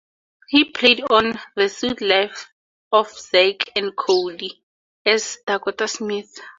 He played on "The Suite Life of Zack and Cody" as Dakota Smith.